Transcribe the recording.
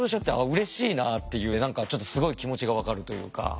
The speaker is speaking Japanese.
うれしいなっていう何かちょっとすごい気持ちが分かるというか。